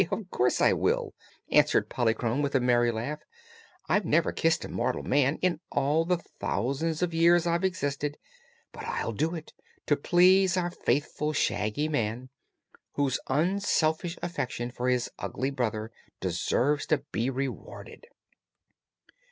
"Of course I will!" answered Polychrome, with a merry laugh. "I've never kissed a mortal man in all the thousands of years I have existed, but I'll do it to please our faithful Shaggy Man, whose unselfish affection for his ugly brother deserves to be rewarded."